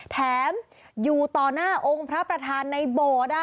แถมอยู่ต่อหน้าองค์พระประธานในโบสถ์